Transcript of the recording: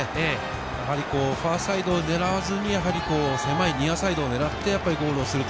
やはりファーサイドを狙わずに狭いニアサイドを狙ってゴールをする。